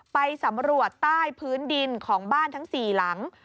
ไปสำรวจใต้พื้นดินของบ้านทั้ง๔หลัง